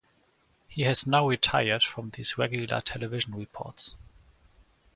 He has now retired from these regular television reports.